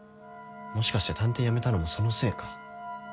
もしかして探偵辞めたのもそのせいか。